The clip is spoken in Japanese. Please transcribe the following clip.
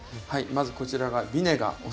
はいまずこちらがビネガー。